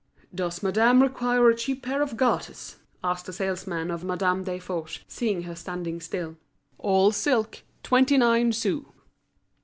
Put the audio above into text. "Does madame require a cheap pair of garters?" asked a salesman of Madame Desforges, seeing her standing still. "All silk, twenty nine sous."